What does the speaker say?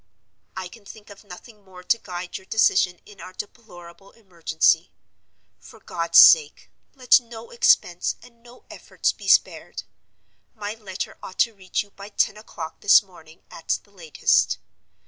"I can think of nothing more to guide your decision in our deplorable emergency. For God's sake, let no expense and no efforts be spared. My letter ought to reach you by ten o'clock this morning, at the latest.